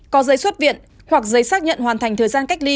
có giấy xuất viện hoặc giấy xác nhận hoàn thành thời gian cách ly